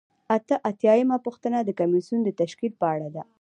اته اتیا یمه پوښتنه د کمیسیون د تشکیل په اړه ده.